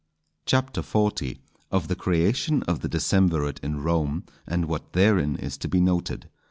CHAPTER XL.—_Of the creation of the Decemvirate in Rome, and what therein is to be noted.